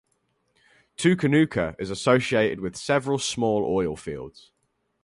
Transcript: Tookoonooka is associated with several small oil fields.